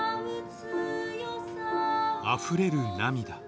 あふれる涙